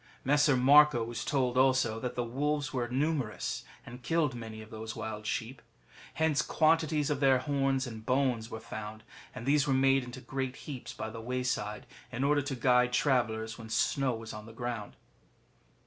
[Messer Marco was told also that the wolves were numerous, and killed many of those wild sheep. Hence quantities of their horns and bones were found, and these were made into great heaps by the way side, in order to guide travellers when snow was on the ground.